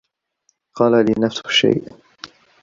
قال لي نفس الشّيء.